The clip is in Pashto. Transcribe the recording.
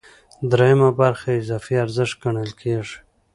درېیمه برخه اضافي ارزښت ګڼل کېږي